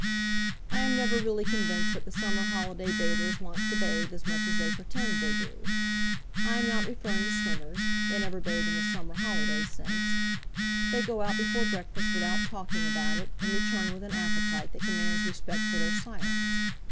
I am never really convinced that the summer holiday bathers want to bathe as much as they pretend they do. I am not referring to swimmers; they never bathe in the summer holiday sense. They go out before breakfast without talking about it, and return with an appetite that commands respect for their silence.